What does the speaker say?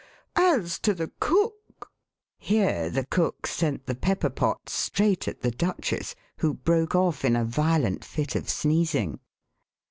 As to the cook " Here the cook sent the pepper pot straight at the Duchess, who broke off in a violent fit of sneezing.